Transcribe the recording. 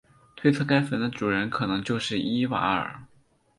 推测该坟的主人可能就是伊瓦尔。